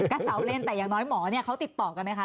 กระเซาเล่นแต่อย่างน้อยหมอเค้าติดต่อกันไหมคะ